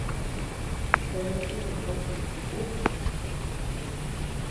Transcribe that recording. ¿Tabea chiba kuetíchi ku?